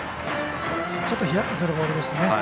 ちょっとヒヤッとするボールでした。